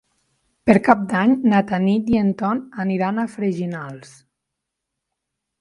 Per Cap d'Any na Tanit i en Ton aniran a Freginals.